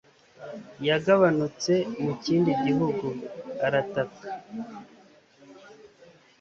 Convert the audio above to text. yagabanutse mu kindi gihugu, arataka